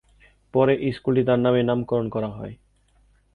পরে স্কুলটি তার নামে নামকরণ করা হয়।